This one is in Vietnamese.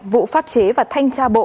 vụ pháp chế và thanh tra bộ